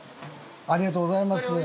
ありがとうございます。